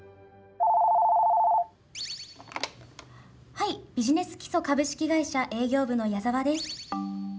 ☎はいビジネス基礎株式会社営業部の矢澤です。